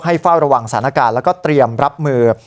เฝ้าระวังสถานการณ์แล้วก็เตรียมรับมือ